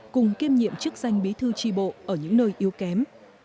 cùng kiêm nhiệm chức danh bí thư tri bộ ở những nơi yếu kém